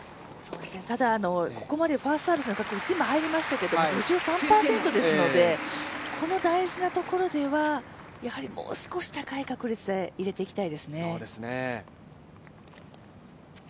ただ、ここまでファーストサービスの確率、今は入りましたけど、５３％ですので、この大事なところでは、やはりもう少し高い確率で入れていきたいですね。